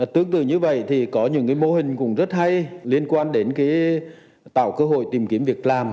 tương tự như vậy thì có những mô hình cũng rất hay liên quan đến tạo cơ hội tìm kiếm việc làm